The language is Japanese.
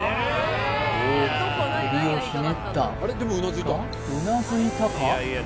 大きく首をひねったがうなずいたか？